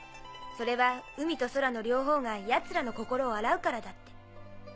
それは海と空の両方が奴らの心を洗うからだって。